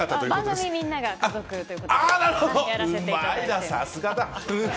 番組みんなが家族ってことでやらせていただこうかと。